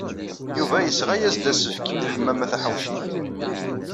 Yuba yesɣa-as-d asefk i Ḥemmama Taḥawcint.